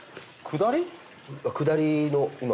下りの今。